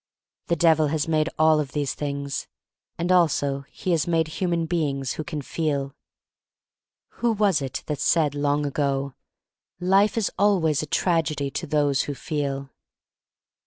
The Devil has made all of these things, and also he has made human beings who can feel. Who was it that said, long ago, "Life THE STOltY OF MARY MAC LANE 53 is always a tragedy to those who feel"?